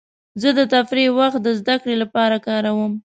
زه د تفریح وخت د زدهکړې لپاره کاروم.